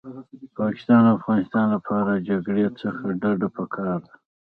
پاکستان او افغانستان لپاره جګړې څخه ډډه پکار ده